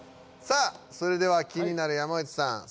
さあそれでは気になる山内さん